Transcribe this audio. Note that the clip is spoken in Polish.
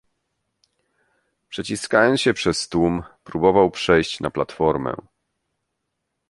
"Przeciskając się przez tłum, próbował przejść na platformę."